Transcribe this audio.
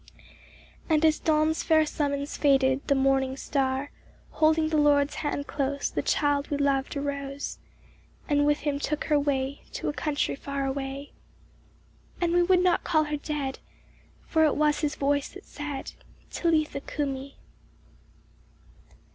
And as at dawn s fair summons faded the morning star, Holding the Lord s hand close, the child we loved arose, And with him took her way to a country far away ; And we would not call her dead, for it was his voice that said, " Talitha cumi